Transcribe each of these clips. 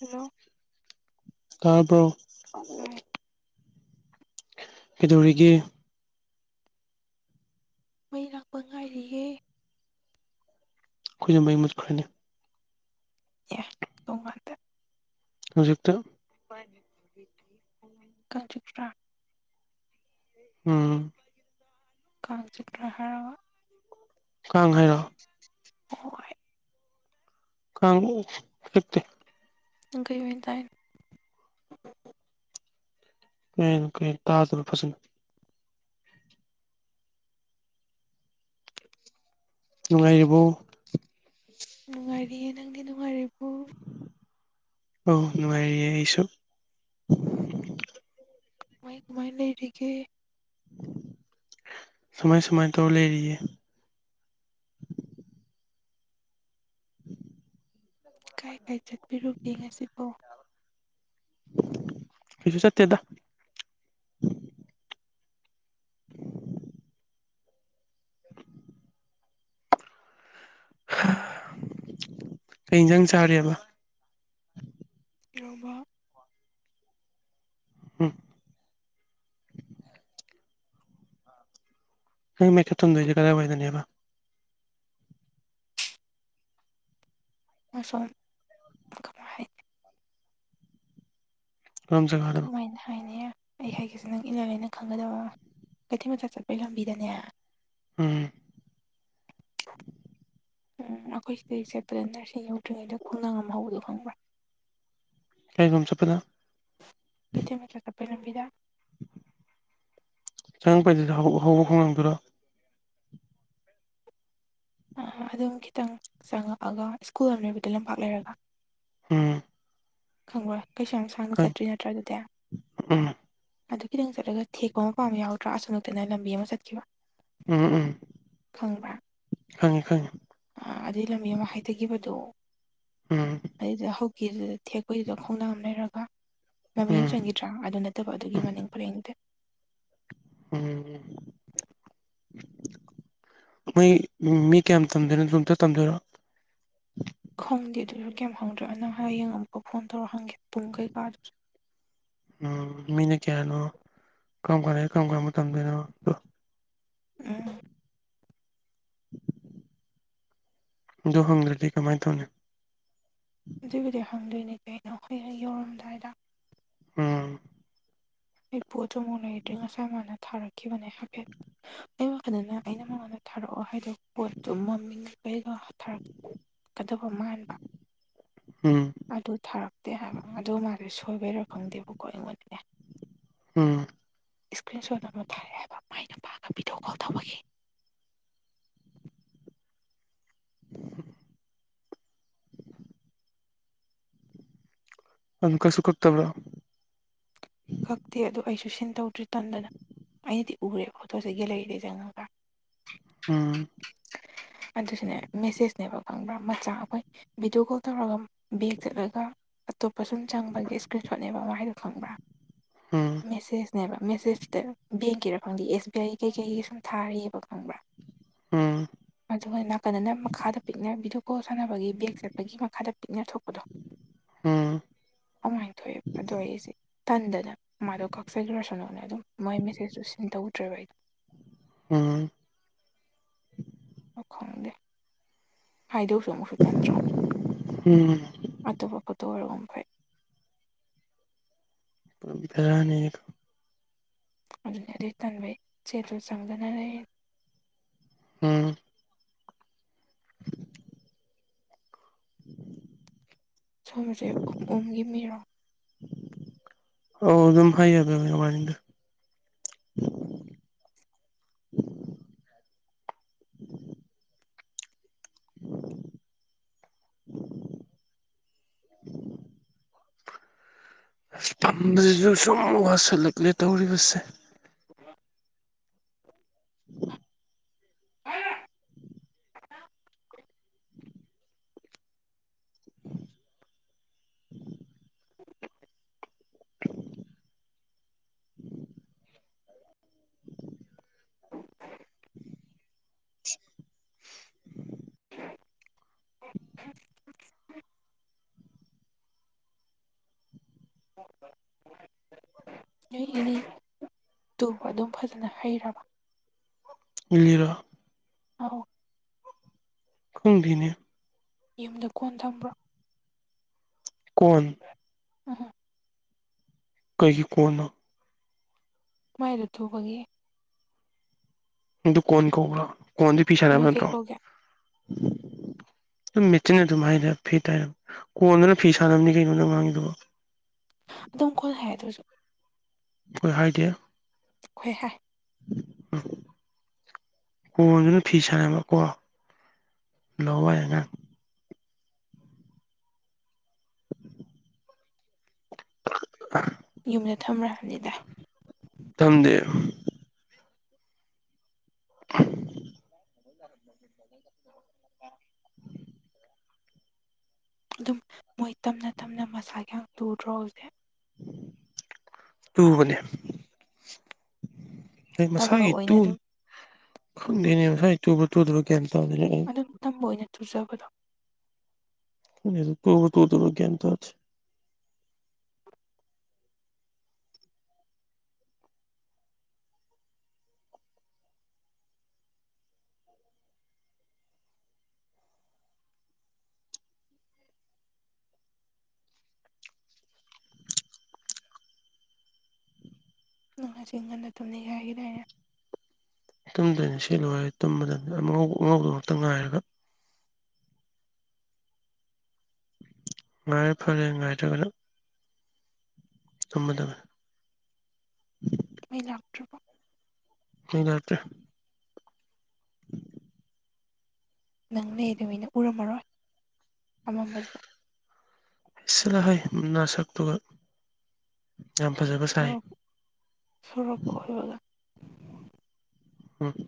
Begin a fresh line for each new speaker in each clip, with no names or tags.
hello
ꯇꯥꯄ
ꯇꯥꯏ
ꯀꯩꯗꯧꯔꯤꯒꯦ
ꯃꯩ ꯂꯥꯛꯄ ꯉꯥꯏꯔꯤꯌꯦꯦ
ꯈꯣꯏꯖꯟꯕꯩ ꯃꯠꯈ꯭ꯔꯅꯤ
ꯑꯦ ꯇꯨꯡꯉꯗ
ꯍꯧꯖꯤꯛꯛꯇ ꯐ [unintelligible]
ꯀꯥꯡ ꯆꯤꯛꯄꯥ
ꯎꯝ
ꯀꯥꯡꯆꯤꯛ ꯍꯥꯔꯒ
ꯀꯥꯡ ꯍꯥꯏꯔꯛꯑꯣ
ꯍꯣꯏ
ꯀꯥꯡ ꯑꯣ ꯆꯤꯛꯇꯦ
ꯅꯥꯪꯀꯩ ꯑꯣꯏꯅꯅꯇꯥꯏ
ꯀꯦ ꯀꯦ ꯇꯥꯜ ꯐꯁꯅ ꯅꯨꯡꯉꯥꯏꯔꯤꯕꯣ
ꯅꯨꯡꯉꯥꯏꯔꯤꯌꯦ ꯅꯪꯗꯤ ꯅꯨꯡꯉꯥꯏꯔꯤꯕꯨ
ꯑꯣ ꯅꯨꯪꯉꯥꯏꯔꯤꯌꯦ ꯑꯩꯁꯨ
ꯀꯃꯥꯏ ꯀꯃꯥꯏ ꯂꯩꯔꯤꯒꯦ
ꯁꯃꯥꯏ ꯁꯃꯥꯏ ꯇ ꯂꯩꯔꯤꯌꯦ [inaudible]
ꯀꯥꯏ ꯀꯥꯏ ꯆꯠꯄꯤꯔꯨꯒꯦ ꯉꯁꯤꯕꯣ
ꯀꯩꯁꯨ ꯆꯠꯇꯦꯗ [inaudible] [inaudible] ꯍ ꯀꯩ ꯌꯦꯟꯁꯥꯡ ꯆꯥꯔꯤꯕ
ꯏꯔꯣꯝꯕ
ꯎꯝ ꯅꯪ ꯃꯩꯊꯠ ꯊꯝꯗꯣꯏꯁꯦ ꯀꯗꯥꯏꯋꯥꯏꯗꯅꯕ
ꯑꯁꯣꯝ ꯀꯃꯥꯏ ꯍꯥꯏ
ꯀꯔꯝ ꯖꯒꯥꯗꯅꯣ
ꯀꯃꯥꯏꯅ ꯍꯥꯏꯅꯤ ꯑꯩ ꯍꯥꯏꯒꯦꯁꯦ ꯅꯪ ꯏꯜꯂꯂꯦꯅ ꯈꯪꯒꯗꯕ ꯀꯩꯊꯦꯜ ꯃꯆꯥ ꯆꯠꯄꯒꯤ ꯂꯝꯕꯤꯗꯅꯦ
ꯎꯝ
ꯎꯝ ꯑꯩꯈꯣꯏ ꯁꯤꯗꯒꯤꯩ ꯆꯠꯄꯗ ꯅꯔꯁꯤꯡ ꯌꯧꯗ꯭ꯔꯤꯉꯩꯗ ꯈꯨꯡꯒꯪ ꯑꯃ ꯍꯧꯕꯗꯣ ꯈꯪꯕ꯭ꯔꯥ
ꯀꯥꯏꯒꯨꯝ ꯆꯠꯄꯗ
ꯀꯆ ꯃꯠꯇ ꯁ ꯂꯝꯕꯤꯗꯥ
ꯆꯪꯉꯛꯄꯗꯨ ꯍꯧꯕ ꯈꯣꯡꯒꯪꯗꯨꯔꯥ
ꯑꯗꯨꯝ ꯈꯤꯇꯪ ꯆꯪꯉꯛꯑꯒ ꯁ꯭ꯀꯨꯜ ꯑꯃ ꯂꯩꯕꯗ ꯂꯝꯄꯥꯛ ꯂꯩꯔꯒ
ꯎꯝ
ꯈꯪꯕꯣꯏ ꯀꯩꯁ ꯌꯥꯝ ꯁꯥꯡꯅ
ꯈꯪ
ꯆꯠꯇ꯭ꯔꯤ ꯅꯠꯇ꯭ꯔ ꯑꯗꯨꯗꯤ
ꯎꯝ
ꯑꯗꯨ ꯈꯤꯇꯪ ꯆꯠꯂꯒ ꯊꯦꯛꯄ ꯃꯄꯥꯝ ꯌꯥꯎꯗ꯭ꯔꯥ ꯑꯁꯨ ꯅꯛꯇꯅ ꯂꯝꯕꯤ ꯑꯃ ꯆꯠꯈꯤꯕ
ꯎꯝ ꯎꯝ ꯈꯪꯉꯦ ꯈꯪꯉꯤ
ꯑꯗꯨꯒꯤ ꯂꯝꯕꯤ ꯑꯃ ꯍꯥꯏꯊꯈꯤꯕꯗꯣ
ꯎꯝ
ꯑꯗꯨꯗ ꯍꯧ ꯗꯨ ꯊꯦꯛꯄꯒꯤꯗꯨꯗ ꯈꯣꯡꯅꯥꯡ ꯑꯃ ꯂꯩꯔꯒ ꯂꯝꯃꯤ ꯑꯃ
ꯎꯝ
ꯆꯪꯈꯤ ꯅꯠꯇ꯭ꯔꯥ ꯑꯗꯨ ꯅꯠꯇꯕ ꯑꯗꯨꯒꯤ ꯃꯅꯤꯡ ꯄꯔꯦꯡꯗꯦ
ꯎꯝ ꯃꯣꯏ ꯃꯤ ꯀꯌꯥꯝ ꯇꯝꯗꯣꯏꯅꯣ ꯑꯗꯨꯣꯝꯇ ꯇꯝꯗꯣꯏꯔꯣ
ꯈꯪꯗꯦ ꯑꯗꯨꯁꯨ ꯀꯌꯥꯝ ꯈꯪꯗ꯭ꯔꯦꯣ ꯅꯪ ꯍꯔꯡ ꯌꯦꯡꯉꯨꯥꯎ ꯐꯣꯟ ꯇꯧꯔ ꯍꯪꯒꯦ ꯄꯨꯡ ꯀꯩꯀꯥꯗꯨ
ꯎꯝ ꯃꯤꯅ ꯀꯌꯥꯅꯣ ꯀꯔꯝ ꯀꯥꯟ ꯀꯔꯝ ꯀꯔꯝꯕ ꯇꯝꯗꯣꯏꯅꯣ
ꯎꯝ
ꯑꯗꯨꯣ ꯍꯪꯗ꯭ꯔꯗꯤ ꯀꯃꯥꯏꯅ ꯇꯧꯅꯤ
ꯑꯗꯨꯏꯕꯨꯗꯤ ꯍꯪꯗꯣꯏꯅꯦꯗꯤꯦ ꯑꯩꯅꯣ ꯍꯣꯏ ꯍꯦꯛ ꯌꯧꯔꯝꯗꯥꯏꯗ
ꯎꯝ
ꯑꯩꯕꯨꯨ ꯑꯗꯨꯃꯛꯥꯎꯛ ꯂꯩꯗ꯭ꯔꯤ ꯉꯁꯥꯏ ꯃꯥꯅ ꯊꯥꯔꯛꯈꯤꯕꯅꯦ ꯍꯥꯏꯐꯦꯠ ꯑꯩ ꯋꯥꯈꯗꯅ ꯑꯩꯅ ꯃꯉꯣꯟꯗ ꯊꯥꯔꯛꯑꯣ ꯍꯥꯏꯗ ꯄꯣꯠꯇꯣ ꯃꯃꯤꯡ ꯀꯩꯗꯣ ꯊꯥꯔꯛ ꯀꯗꯧꯕ ꯃꯥꯥꯟꯕ
ꯎꯝ
ꯑꯗꯨ ꯊꯥꯔꯛꯇꯦ ꯍꯥꯏꯕ ꯑꯗꯨꯗ ꯃꯥꯁꯦ ꯁꯣꯏꯕꯩꯔ ꯈꯪꯗꯦꯕꯀꯣ ꯑꯩꯉꯣꯟꯗꯅꯦ
ꯎꯝ
ꯏꯁꯀ꯭ꯔꯤꯟ ꯁꯣꯠ ꯑꯃ ꯊꯥꯔꯑꯦ ꯍꯥꯏꯕ ꯃꯥꯏꯅ ꯄꯥꯛꯒ ꯚꯤꯗꯤꯑꯣ ꯀꯣꯜ ꯇꯧꯕꯒꯤ
[inaudible] ꯑ ꯀꯁ ꯀ ꯇꯕ꯭ꯔꯣ
ꯀꯛꯇꯦ ꯑꯗꯣ ꯑꯩꯁꯨ ꯁꯤꯟ ꯇꯧꯗ꯭ꯔꯤ ꯇꯟꯗꯅ ꯑꯩꯅꯗꯤ ꯎꯔꯦ ꯐꯣꯇꯣꯁꯦ ꯒꯦꯂꯔꯤꯗꯩ ꯆꯪꯉ
ꯎꯝ
ꯑ ꯁꯤꯅꯦ ꯃꯦꯁꯦꯖꯅꯦꯕ ꯐꯪꯕ꯭ꯔꯥ ꯃꯆꯥ ꯑꯩꯈꯣꯏ ꯚꯤꯗꯤꯑꯣ ꯀꯣꯜ ꯇꯧꯔꯒ ꯕꯦꯒ ꯆꯠꯂꯒ ꯑꯇꯣꯞꯄ ꯁꯨꯝ ꯆꯪꯕꯒꯤ ꯏꯁꯀ꯭ꯔꯤꯟ ꯁꯣꯠꯅꯦꯕ ꯃꯥꯗꯣ ꯈꯪꯕ꯭ꯔꯥ
ꯎꯝ
ꯃꯦꯁꯦꯁꯅꯦꯕ ꯃꯦꯁꯦꯁꯇ ꯕꯦꯡꯀꯤꯔ ꯈꯪꯗꯦ ꯑꯦꯁ ꯕꯤ ꯑꯥꯏ ꯀꯩꯀꯩꯒꯤ ꯁꯨꯝ ꯊꯥꯔꯤꯑꯕ ꯈꯪꯕ꯭ꯔꯥ
ꯎꯝ
ꯑꯗꯨꯒ ꯅꯥꯀꯟꯗꯅ ꯃꯈꯥꯗ ꯄꯤꯛꯅ ꯚꯗꯤꯑꯣ ꯀꯣꯜ ꯁꯥꯟꯅꯕꯒꯤ ꯕꯦꯛ ꯆꯠꯄꯒꯤ ꯃꯈꯥꯗ ꯄꯤꯛꯅ ꯊꯣꯛꯄꯗꯣ
ꯎꯝ
ꯑꯗꯨꯃꯥꯏꯅ ꯊꯣꯛꯑꯦꯕ ꯑꯗꯣ ꯑꯩꯁꯦ ꯇꯟꯗꯅ ꯃꯥꯗꯣ ꯀꯛꯆꯒꯤ꯭ꯔꯁꯅꯣꯅꯦ ꯑꯗꯨꯝ ꯃꯣꯏ ꯃꯦꯁꯦꯁꯇꯨ ꯁꯤꯟ ꯇꯧꯗ꯭ꯔꯦꯕ ꯑꯩꯗꯣ
ꯎꯝ
ꯈꯪꯗꯦ ꯍꯥꯏꯥꯏꯗꯧ ꯁꯃꯨ ꯁꯨꯇꯦꯟꯗ꯭ꯔ
ꯎꯝ
ꯑꯇꯣꯞꯄ ꯐꯣꯠꯇꯣ ꯑꯣꯏꯔꯒꯨꯝ ꯐꯩ
ꯕꯤꯔꯌꯥꯅꯤ
ꯑꯗꯨꯅ ꯑꯗꯨ ꯇꯟꯕꯩꯆꯦꯠꯇꯣ ꯆꯪꯗꯅ ꯂꯩ
ꯎꯝ [inaudible]
ꯁꯣꯝꯁꯦ ꯎꯨꯝ ꯑꯨꯝꯒꯤ ꯃꯤꯔꯣ
ꯑꯣ ꯑꯗꯨꯝ ꯍꯥꯏ ꯑꯗꯨꯕꯥꯅꯤꯗ ꯑꯁ ꯐꯝꯕꯁꯤꯁꯨ ꯁꯨꯝ ꯋꯥꯁꯜꯂꯛꯂꯦ ꯇꯧꯔꯤꯕꯁꯦ
ꯑ
ꯎꯝ [inaudible] [inaudible] [inaudible]
ꯑꯣꯔꯦ ꯅꯨꯣꯏ ꯏꯅꯤꯅꯤ ꯇꯨꯕ ꯑꯗꯨꯝ ꯐꯖꯅ ꯍꯩꯔꯕ
ꯃꯤꯂꯔ
ꯑ
ꯈꯨꯡꯗꯤꯅ
ꯌꯨꯝꯗ ꯀꯣꯟ ꯊꯝꯕ꯭ꯔꯣ
ꯀꫭꯟ
ꯎꯝ
ꯀꯩꯒꯤ ꯀꫭꯅꯅꫭ
ꯃꯥꯏꯗ ꯊꯨꯕꯒꯤ
ꯑꯗꯨ ꯀꯣꯟ ꯀꯧꯕ꯭ꯔꯥ ꯀꯣꯟꯗꯤ ꯐꯤ ꯁꯥꯟꯅꯕ
ꯅꯣꯏ ꯀꯩ
ꯅꯠꯇ꯭ꯔꯣ
ꯀꯧꯒꯦ
ꯑꯗꯨꯝ ꯃꯦꯆꯤꯟ ꯑꯗꯨꯝ ꯍꯥꯏ ꯐꯤ ꯇꯥꯏꯔ ꯀꯣꯟꯗꯨꯅ ꯐꯤ ꯁꯥꯟꯅꯕꯅꯤ ꯀꯩꯅꯣꯗ ꯉꯥꯡꯉꯗꯕꯣ
ꯑꯗꯨꯝ ꯀꯣꯟ ꯍꯥꯏ ꯑꯗꯨꯁꯨ
ꯑꯩꯈꯣꯏ ꯍꯥꯏꯗꯤ
ꯈꯣꯏ ꯍꯥꯏ
[unintelligible] ꯀꯣꯟꯗꯨꯅ ꯐꯤ ꯁꯥꯟꯅꯕꯀꯣ ꯂꯧꯕ ꯑꯉꯥꯡ [inaudible]
ꯌꯨꯝꯗ ꯊꯝꯈꯕꯅꯤꯗ
ꯊꯝꯗꯦ [unintelligible]
ꯑꯗꯨꯝ ꯃꯣꯏ ꯇꯞꯅ ꯇꯞꯅ ꯃꯁꯥꯒꯤ ꯌꯥꯝ ꯇꯨꯗ꯭ꯔꯣ ꯍꯧꯁꯦ
ꯇꯨꯡꯕꯅꯦ ꯑꯩ
ꯇꯝꯕ
ꯃꯁꯥꯒꯤ ꯇꯨ
ꯑꯣꯏꯅ ꯑꯗꯨꯝ
ꯈꯪꯗꯣꯏꯅꯦ ꯃꯁꯥꯒꯤ ꯇꯨꯕ ꯇꯨꯗꯕ ꯀꯌꯥ ꯇꯧꯗꯣꯏꯅ
ꯑꯗꯨꯝ ꯇꯝꯕ ꯑꯣꯏꯅ ꯇꯨꯖꯕꯗꯣ
ꯇꯨꯕ ꯇꯨꯗꯕ ꯒꯌꯥꯟ ꯇꯥꯗꯦ
ꯅꯪ ꯉꯁꯤ ꯉꯟꯅ ꯊꯝꯅꯤꯡꯉꯦ ꯍꯥꯏꯈꯤꯗꯏꯅꯦ
ꯇꯨꯝꯗꯣꯏꯅꯤ ꯁꯤ ꯂꯣꯏꯔꯦ ꯇꯨꯝꯕꯗꯅꯤꯉꯧ ꯑꯉꯧꯗꯨꯃꯛꯇ ꯉꯥꯏꯔꯒ ꯉꯥꯏꯔꯦ ꯐꯔꯦ ꯉꯥꯏꯗ꯭ꯔꯒꯅ ꯆꯨꯝꯃꯗꯕꯅꯤ
ꯃꯩ ꯂꯥꯛꯇ꯭ꯔꯕꯣ
ꯈꫭꯏ ꯂꯥꯛꯇꯦ
ꯅꯪꯅꯦ ꯑꯗꯨꯃꯤꯅ ꯎꯔꯝꯃꯔꯣꯏ ꯑꯃꯝꯕꯗ
ꯏꯁ ꯆꯜꯂꯍ ꯅꯁꯛꯇꯨꯒ ꯌꯥꯝ ꯐꯖꯕ ꯁꯥꯏ
ꯁꯣꯔꯣꯛꯄ ꯑꯣꯏꯕꯒꯦ
ꯎꯝ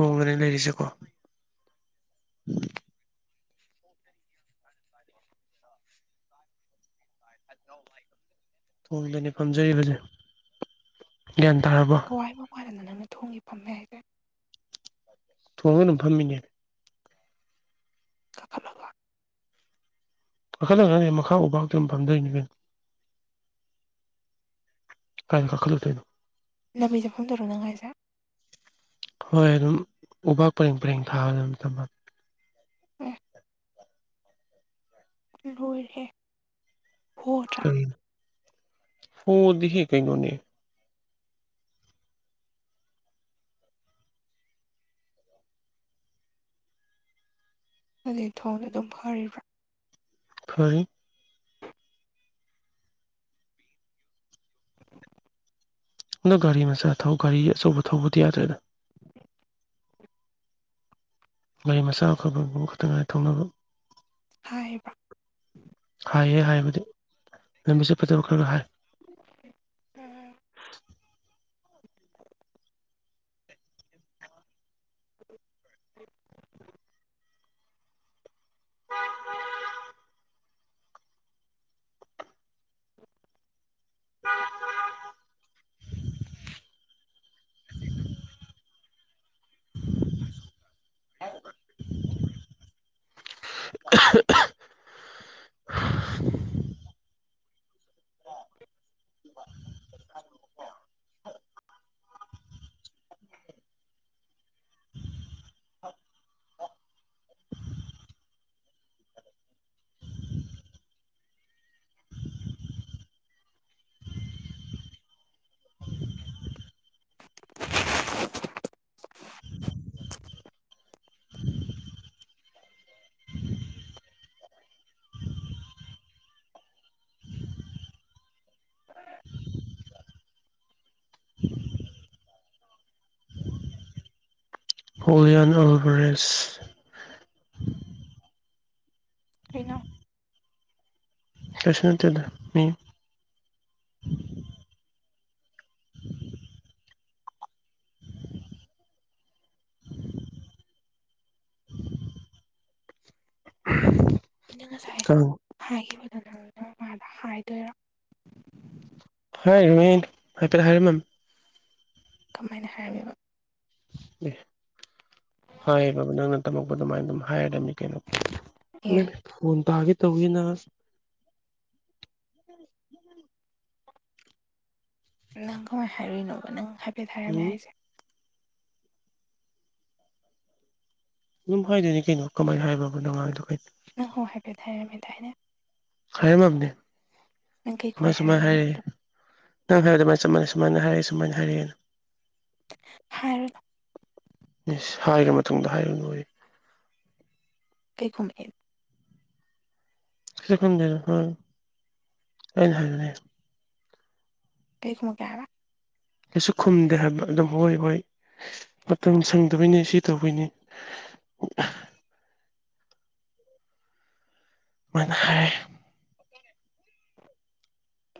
ꯍꯣꯡꯈꯦ ꯂꯩꯔꯤꯁꯦꯀꯣ [inaudible] [unintelligible] ꯊꯣꯡꯗꯅꯤ ꯐꯝꯖꯔꯤꯕꯁꯦ ꯒ꯭ꯌꯥꯟ ꯇꯥꯔꯕ
ꯋꯥꯏꯕ ꯋꯥꯔꯅ ꯅꯪꯅ ꯊꯣꯡꯉꯦ ꯐꯝꯃꯦ ꯍꯥꯏꯁꯔꯦ
ꯊꯣꯡꯉ ꯑꯗꯨꯝ ꯐꯝꯃꯤꯅꯦ
[unintelligible]
ꯀꯥꯈꯠꯂꯛꯅꯦ ꯃꯈꯥ ꯎꯕꯥꯇꯝ ꯄꯝꯗꯣꯏꯅꯤꯕꯅꯦ ꯀꯥꯏꯅꯥꯠꯂꯛꯇꯣꯏꯣ
ꯂꯝꯕꯤ ꯆꯠꯐꯝꯗꯧꯔꯣ ꯅꯪ ꯍꯥꯏꯁꯦ
ꯍꯣꯏ ꯑꯗꯨꯝ ꯎꯄꯥꯛ ꯄꯔꯦꯡ ꯄꯔꯦꯡ ꯊꯥꯕ ꯑꯗꯨ ꯑꯗꯨꯝ ꯊꯝꯃꯒꯦ
ꯑꯥ ꯂꫭꯏꯔ ꯍꯦ
ꯍꫭꯗꯤ ꯀꯩꯅꯩꯅꯣꯅꯦ
ꯂꯦꯟ ꯊꯣꯡꯅ ꯑꯗꯨꯝ ꯐꯔꯤꯕ꯭ꯔꯥ
ꯍꯣꯏ ꯑꯗꫭ ꯒꯥꯔꯤ ꯃꯆꯥ ꯊꯧ ꯒꯥꯔꯤ ꯑꯆꯧꯕ ꯊꯧꯕꯗꯤ ꯌꯥꯗ꯭ꯔꯣꯏꯗ
[unintelligible]
ꯒꯥꯔꯤ ꯃꯆꯥ ꯈꯕꯕꯨ ꯈꯛꯇꯪ ꯉꯥꯏ ꯊꯧꯅꯕ
ꯍꯥꯏꯔꯤꯕ꯭ꯔꯥ
ꯍꯥꯏꯌꯦ ꯍꯥꯏꯕꯨꯗꯤ ꯂꯝꯕꯤꯁꯦ ꯐꯖꯕ ꯈꯔ ꯍꯥꯏ
ꯎꯝ ꯍꯜ
[unintelligible]
ꯍꯣꯏ
ꯍꯋꯌꯟ ꯑꯣꯜꯕꯔꯦꯁ
ꯀꯅ
ꯁꯁꯟꯠꯇꯗ ꯃꯤ
ꯑꯩꯅ ꯉꯁꯥꯏ
ꯀꯥꯡ
ꯍꯥꯏꯈꯤꯕꯗꯨ ꯅꯪ ꯅꯪ ꯃꯥꯗ ꯍꯥꯏꯗꯣꯏꯔꯥ
ꯍꯔꯔꯝ ꯍꯥꯏꯐꯦ ꯍꯥꯏꯔꯤꯝꯝ
ꯀꯃꯥꯏꯅ ꯍꯥꯏꯔꯝꯕ
ꯑꯦ ꯍꯥꯏꯌꯦ ꯕꯕꯥ ꯅꯪꯅ ꯇꯝꯃꯛꯄ ꯑꯗꯨꯃꯥꯏ ꯑꯗꯨꯝ ꯍꯥꯏꯒꯗꯅꯤ ꯀꯩꯅꯣ
ꯑꯦ
ꯃꯅꯦ ꯐꯣꯟ ꯇꯥꯒꯦ ꯇꯧꯋꯅ [unintelligible]
ꯅꯪ ꯀꯃꯥꯏꯅ ꯍꯥꯏꯔꯨꯏꯅꯣꯕ ꯅꯪ ꯍꯥꯏꯐꯦꯠ ꯍꯥꯏꯔꯝꯃꯦ
ꯎꯝ
ꯍꯥꯏꯁꯦ
ꯑꯗꯨꯝ ꯍꯥꯏꯗꯣꯏꯅꯤ ꯀꯩꯅꯣ ꯀꯃꯥꯏꯅ ꯍꯥꯏꯕꯕ ꯣꯅꯨꯡꯉꯥꯏꯗꯣꯣ
ꯅꯪꯉꯣ ꯍꯥꯏꯐ ꯍꯥꯏꯔꯝꯃꯦꯗꯥꯥꯏꯅ
ꯍꯥꯏꯔꯝꯃꯕꯅꯦ
ꯅꯪ ꯀꯩ ꯈ꯭ꯋꯥꯏ
ꯁꯨꯃꯥꯏ ꯁꯨꯃꯥꯏꯅ
ꯍꯥꯏꯔꯝꯃꯤꯅꯣꯕꯗꯣ
ꯍꯥꯏꯔꯛꯑꯦ ꯍ ꯐꯔ ꯑꯗꯨꯃꯅ ꯆꯞ ꯃꯅꯤ ꯁꯨꯃꯥꯏꯅ ꯍꯥꯏꯛꯦ ꯁꯨꯃꯥꯏ ꯍꯥꯏꯔꯛꯦꯅ
ꯐꯔ
ꯁ ꯍꯥꯏꯈ꯭ꯔ ꯃꯇꯨꯡꯗ ꯍꯥꯏꯔ ꯂ ꯑꯣꯏ
ꯄꯩꯈꯨꯝꯝ
ꯁꯨꯝꯗꯅ ꯍ ꯍꯥꯏ
ꯂꯩꯃꯨ ꯀ ꯍꯥꯏꯔ
ꯀꯩꯁꯨ ꯈꯨꯝꯗꯦ ꯍꯥꯏꯕ ꯑꯗꯨꯝ ꯑꯣꯏꯣꯏ ꯑꯣꯏꯣꯏ ꯃꯇꯝ ꯁꯪꯗꯣꯏꯅꯤ ꯁꯤ ꯇꯗꯣꯏꯅꯤ [unintelligible] ꯃꯅ ꯍꯥꯏ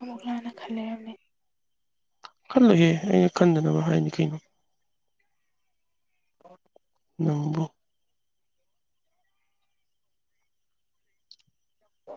ꯑꯃꯨꯛ ꯂꯥꯟꯅ ꯈꯜ ꯂꯩꯔꯝꯃꯦ
ꯈꯜꯂꯍꯦ ꯑꯩꯅ ꯈꯟꯗꯅꯕ ꯍꯥꯏꯅꯤ ꯀꯩꯅꯣ
ꯑꯣ
ꯅꯣꯡꯕꯨ
ꯑ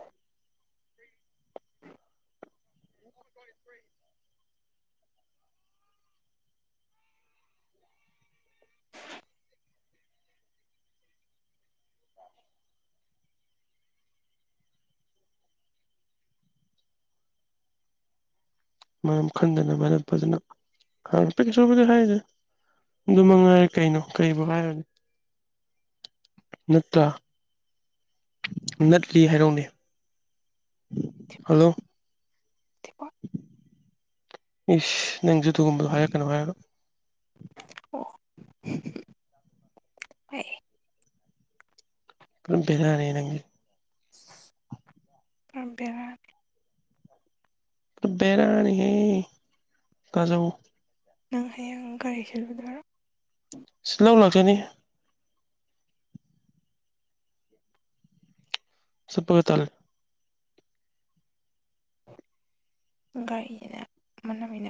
ꯃꯔꯝ ꯈꯟꯗꯅ ꯃꯔꯝ ꯐꯖꯅ ꯈꯔ ꯄ ꯁꯕꯗꯤ ꯍꯥꯏꯁꯦ ꯑꯗꯨ ꯃꯉꯥꯏꯔꯦ ꯀꯩꯅꯣ ꯀꯔꯤꯕꯕꯨꯣ ꯍꯥꯏꯔꯒ ꯅꯠꯇ꯭ꯔ ꯅꯠꯇꯤ ꯍꯥꯏꯔꯛ ꯎꯅꯦ
ꯊꯤꯕꯣꯡ
ꯍꯜꯂꯣ
ꯊꯤꯕꯣꯡ
ꯏꯁ ꯅꯪꯁꯨ ꯑꯗꯨꯒꯨꯝꯕꯗꯣ ꯍꯥꯏꯔꯛꯀꯅꯨ ꯍꯥꯏꯔ
ꯑꯣ
ꯑꯗꯨꯝ ꯕꯦꯔꯥꯅꯦ ꯅꯪꯦ
ꯕꯤꯔꯔ
ꯕꯔꯥꯅꯤ ꯍꯦ ꯀꯖꯧ
ꯅꯪ ꯍꯌꯦꯡ ꯀꯒꯥꯔꯤꯁꯤꯜꯨꯗꯔꯥ
ꯁꯤ ꯂꯧ ꯂꯥꯛꯆꯅꯤ ꯁꯄꯒ ꯇꯔꯦ
ꯒꯥꯔꯤꯁꯤꯅ ꯃꯥꯟꯅꯃꯤꯅ